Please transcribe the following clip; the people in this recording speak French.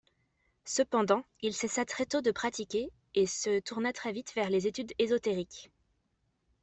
Cependant, il cessa très tôt de pratiquer et se tourna vers les études ésotériques.